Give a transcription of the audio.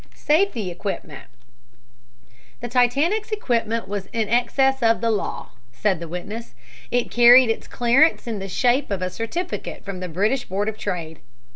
SAFETY EQUIPMENT "The Titanic's equipment was in excess of the law," said the witness. "It carried its clearance in the shape of a certificate from the British Board of Trade.